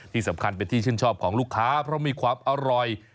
ที่สำคัญเป็นที่ชื่นชอบของลูกค้าเพราะมีความอร่อย